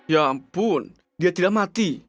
ya ampun dia tidak mati